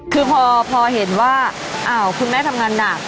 คือพอเห็นว่าคุณแม่ทำงานหนัก